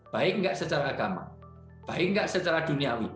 baik nggak secara agama baik nggak secara duniawi